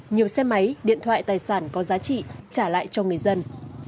nhiều xe máy điện thoại tài sản có giá trị trả lại cho người dân